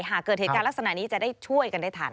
หากเกิดเหตุการณ์ลักษณะนี้จะได้ช่วยกันได้ทัน